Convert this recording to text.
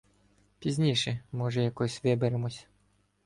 Пізніше, може, якось виберемось.